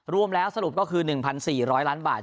รวมแล้วสรุปก็คือ๑๔๐๐ล้านบาท